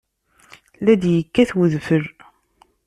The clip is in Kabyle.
La d-yekkat udfel.